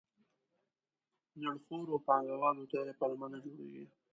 نړیخورو پانګوالو ته یې پلمه نه جوړېږي.